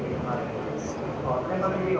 สวัสดีครับ